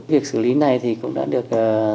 việc xử lý này thì cũng đã được